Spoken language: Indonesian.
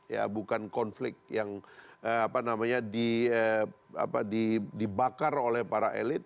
ya bukan konflik yang apa namanya dibakar oleh para elit